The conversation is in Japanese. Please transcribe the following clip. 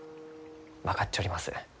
分かっちょります。